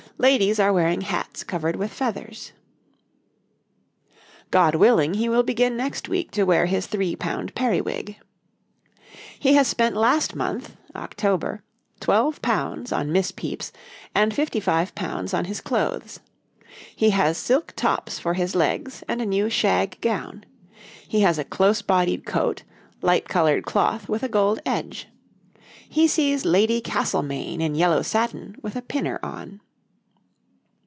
Ladies are wearing hats covered with feathers. [Illustration: {Three types of wig for men}] God willing, he will begin next week to wear his three pound periwig. He has spent last month (October) £12 on Miss Pepys, and £55 on his clothes. He has silk tops for his legs and a new shag gown. He has a close bodied coat, light coloured cloth with a gold edge. He sees Lady Castlemaine in yellow satin with a pinner on.